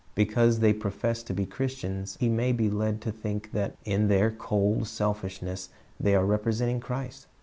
Because they profess to be Christians he may be led to think that in their cold selfishness they are representing Christ.